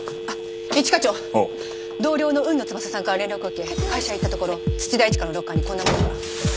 一課長同僚の海野翼さんから連絡を受け会社へ行ったところ土田一花のロッカーにこんなものが。